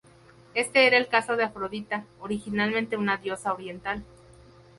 Éste era el caso de Afrodita, originalmente una diosa oriental.